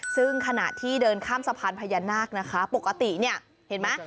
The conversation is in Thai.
ซึ่งขณะที่เดินข้ามสะพานพญานาคนะคะปกติเนี่ยเห็นไหม